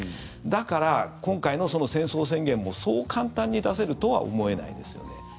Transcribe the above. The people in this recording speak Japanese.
だから今回の戦争宣言もそう簡単に出せるとは思えないですよね。